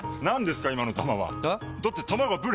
何ですか今の球は！え？